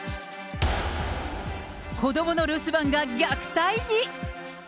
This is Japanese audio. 子どもの留守番が虐待に。